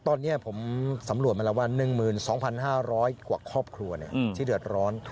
ตอนนี้ผมสำรวจมาแล้วว่า๑๒๕๐๐กว่าครอบครัวที่เดือดร้อน